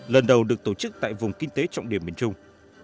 lần đầu được tổ chức tại vùng kinh tế trọng điểm miền trung